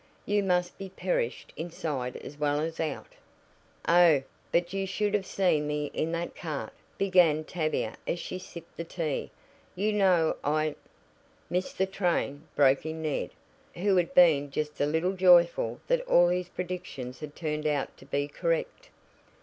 "You must be perished inside as well as out." "Oh, but you should have seen me in that cart!" began Tavia as she sipped the tea. "You know I " "Missed the train," broke in Ned, who had been just a little joyful that all his predictions had turned out to be correct.